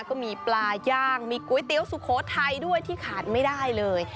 ก็มีปลาย่างมีก๋วยเตี๋ยวสุโขทัยด้วยที่ขาดไม่ได้เลย